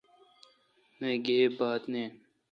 نہ گیب بات نین۔